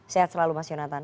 sehat selalu mas yonatan